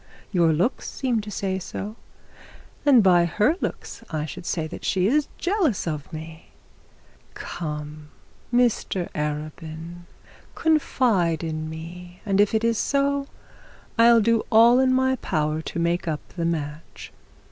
Your looks seem to say so; and by her looks I should say that she is jealous of me. Come, Mr Arabin, confide in me, and if it is so, I'll do all in my power to make up the match.'